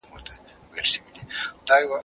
خپله د اثر متن په پوره غور سره لولئ.